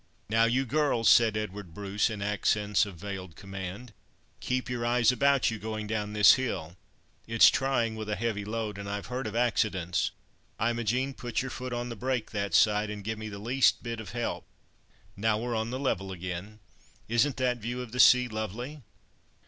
"Now, you girls!" said Edward Bruce, in accents of veiled command, "keep your eyes about you, going down this hill. It's trying with a heavy load, and I've heard of accidents. Imogen, put your foot on the brake that side, and give me the least bit of help. Now, we're on the level again. Isn't that view of the sea lovely?"